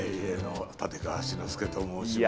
立川志の輔と申します。